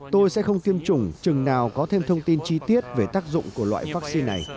tôi sẽ không tiêm chủng chừng nào có thêm thông tin chi tiết về tác dụng của loại vaccine này